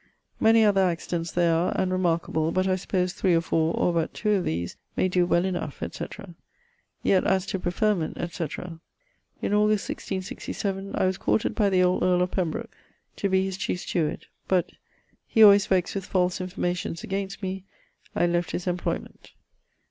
Many other accidents there are and remarkeable, but I suppose 3 or 4 or but 2 of these may doe well enough etc. Yet as to preferrment, etc. In Aug. 1667, I was courted by the old earle of Pembrook to be his chiefe steward; but, hee always vexed with false informations against me, I left his ymployment.'